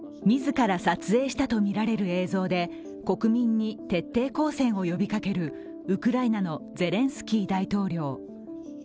自ら撮影したと見られる映像で国民に徹底抗戦を呼びかけるウクライナのゼレンスキー大統領。